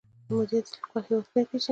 مدیر د لیکوال هویت نه پیژني.